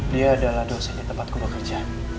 dia adalah dosenya tempatku bekerja